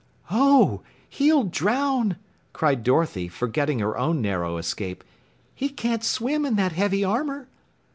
"Oh, he'll drown," cried Dorothy, forgetting her own narrow escape. "He can't swim in that heavy armor!"